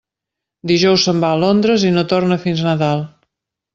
Dijous se'n va a Londres i no torna fins Nadal.